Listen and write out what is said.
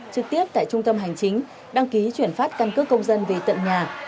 trực tiếp tại trung tâm hành chính đăng ký chuyển phát căn cước công dân về tận nhà